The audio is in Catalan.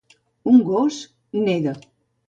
Un gos neda.